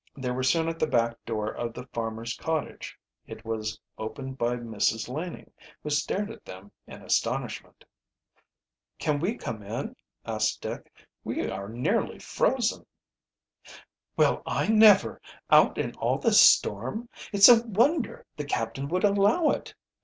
They were soon at the back door of the farmer's cottage. It was opened by Mrs. Laning, who stared at them in astonishment. "Can we come in?" asked Dick. "We are nearly frozen." "Well, I never! Out in all this storm! It's a wonder the captain would allow it.